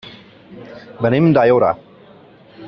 Venim d'Aiora.